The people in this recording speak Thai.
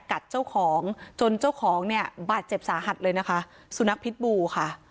กัดเจ้าของจนเจ้าของเนี่ยบาดเจ็บสาหัสเลยนะคะสุนัขพิษบูค่ะ